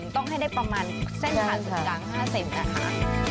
ต้องให้ได้ประมาณเส้นผัดสูงกลาง๕เซนนะค่ะ